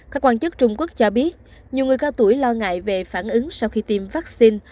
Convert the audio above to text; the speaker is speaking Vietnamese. các quan chức trung quốc cho biết nhiều người cao tuổi lo ngại về phản ứng sau khi tiêm vaccine